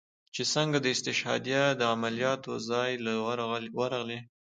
چې سنګه د استشهاديه عملياتو زاى له ورغلې.